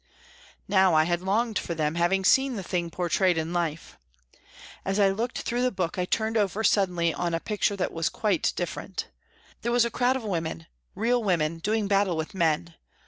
Now I had longed for them, having seen the thing portrayed in life. As I looked through the book, I turned over suddenly on a picture that was quite different. There was a crowd of women, real women, doing battle with men.